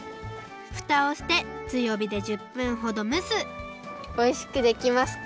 ふたをしてつよびで１０分ほどむすおいしくできますか？